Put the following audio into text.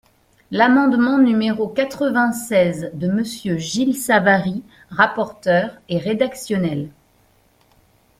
L’amendement numéro quatre-vingt-seize de Monsieur Gilles Savary, rapporteur, est rédactionnel.